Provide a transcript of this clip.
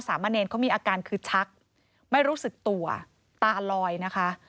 มะเนรเขามีอาการคือชักไม่รู้สึกตัวตาลอยนะคะ